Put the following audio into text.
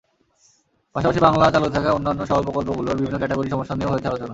পাশাপাশি বাংলা চালু থাকা অন্যান্য সহ-প্রকল্পগুলোর বিভিন্ন কারিগরি সমস্যা নিয়েও হয়েছে আলোচনা।